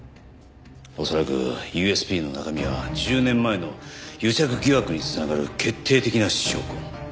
恐らくＵＳＢの中身は１０年前の癒着疑惑に繋がる決定的な証拠。